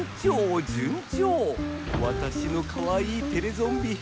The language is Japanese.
わたしのかわいいテレゾンビ。